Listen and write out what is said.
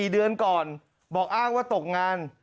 ๔เดือนก่อนบอกอ้างว่าตกงาน